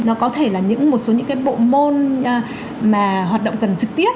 nó có thể là những một số những cái bộ môn mà hoạt động cần trực tiếp